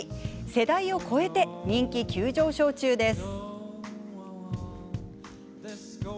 世代を超えて人気急上昇中です。